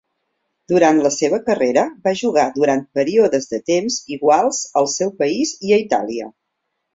Durant la seva carrera, va jugar durant períodes de temps iguals al seu país i a Itàlia.